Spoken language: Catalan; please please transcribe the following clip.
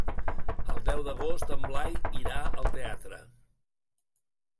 El deu d'agost en Blai irà al teatre.